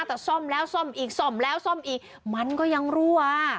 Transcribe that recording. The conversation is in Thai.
แต่ซ่อมแล้วซ่อมอีกซ่อมแล้วซ่อมอีกมันก็ยังรั่ว